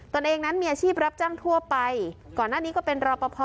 ตัวเองนั้นมีอาชีพรับจ้างทั่วไปก่อนหน้านี้ก็เป็นรอปภ